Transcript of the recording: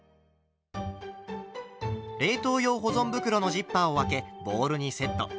冷凍用保存袋のジッパーを開けボウルにセット。